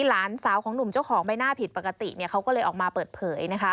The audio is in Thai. หลานสาวของหนุ่มเจ้าของใบหน้าผิดปกติเขาก็เลยออกมาเปิดเผยนะคะ